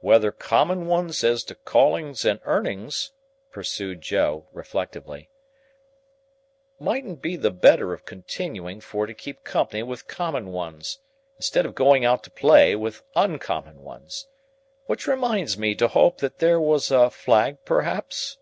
"Whether common ones as to callings and earnings," pursued Joe, reflectively, "mightn't be the better of continuing for to keep company with common ones, instead of going out to play with oncommon ones,—which reminds me to hope that there were a flag, perhaps?"